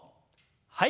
はい。